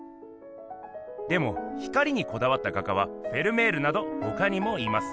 でも光にこだわった画家はフェルメールなどほかにもいます。